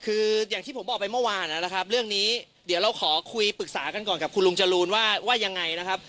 คืออย่างที่ผมบอกไปเมื่อวานนะครับเรื่องนี้เดี๋ยวเราขอคุยปรึกษากันก่อนกับคุณลุงจรูนว่าว่ายังไงนะครับ